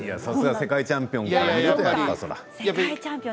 さすが世界チャンピオン。